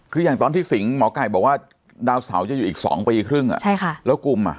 คืออย่างตอนที่สิงห์หมอไก่บอกว่าดาวเสาจะอยู่อีก๒ปีครึ่งอ่ะใช่ค่ะแล้วกลุ่มอ่ะ